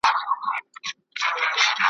له درنو درنوبارو وم تښتېدلی `